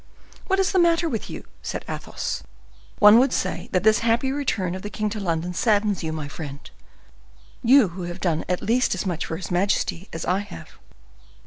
"What is the matter with you?" said Athos. "One would say that this happy return of the king to London saddens you, my friend; you who have done at least as much for his majesty as I have."